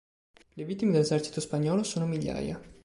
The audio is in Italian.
Le vittime dell'esercito spagnolo sono migliaia.